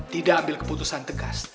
tidak ambil keputusan tegas